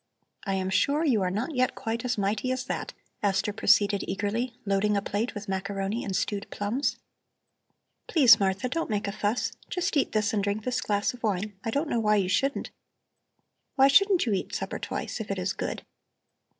I am sure you are not yet quite as mighty as that," Esther proceeded eagerly, loading a plate with macaroni and stewed plums. "Please, Martha, don't make a fuss; just eat this and drink this glass of wine. I don't know why you shouldn't. Why shouldn't you eat supper twice, if it is good?"